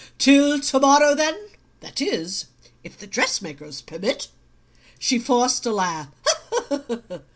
"Till to morrow, then; that is, if the dress makers permit." She forced a laugh.